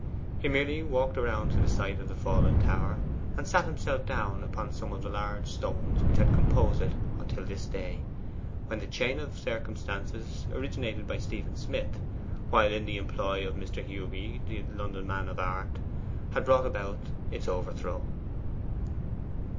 He merely walked round to the site of the fallen tower, and sat himself down upon some of the large stones which had composed it until this day, when the chain of circumstance originated by Stephen Smith, while in the employ of Mr. Hewby, the London man of art, had brought about its overthrow.